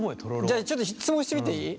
じゃあちょっと質問してみていい？